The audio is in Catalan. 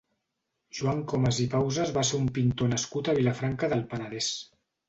Joan Comas i Pausas va ser un pintor nascut a Vilafranca del Penedès.